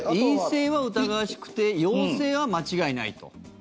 陰性は疑わしくて陽性は間違いないと。